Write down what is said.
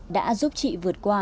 đã giúp chị vượt qua